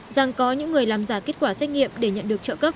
rằng có những người làm giả kết quả xét nghiệm để nhận được trợ cấp